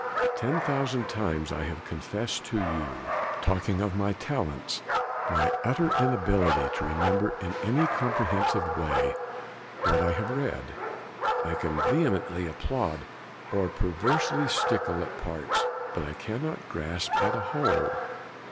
Ten thousand times I have confessed to you, talking of my talents, my utter inability to remember in any comprehensive way what I have read. I can vehemently applaud, or perversely stickle, at parts; but I cannot grasp at a whole.